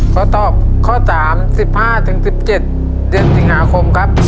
ขอตอบข้อ๓๑๕๑๗เดือนสิงหาคมครับ